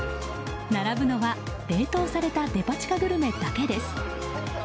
並ぶのは、冷凍されたデパ地下グルメだけです。